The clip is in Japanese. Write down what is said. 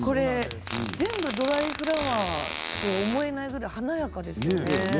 全部ドライフラワーと思えないくらい華やかですね。